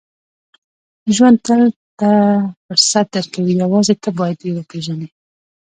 • ژوند تل ته فرصت درکوي، یوازې ته باید یې وپېژنې.